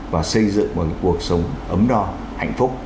và xây dựng một cuộc sống ấm no hạnh phúc